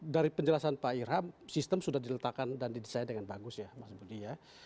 dari penjelasan pak irham sistem sudah diletakkan dan didesain dengan bagus ya mas budi ya